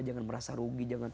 jangan merasa rugi